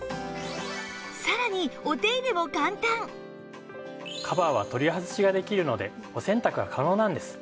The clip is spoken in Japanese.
さらにカバーは取り外しができるのでお洗濯が可能なんです。